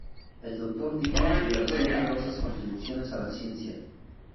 El Dr. Dewey realizó numerosas contribuciones a la ciencia.